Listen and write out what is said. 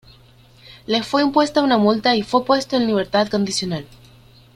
Le fue impuesta una multa y fue puesto en libertad condicional.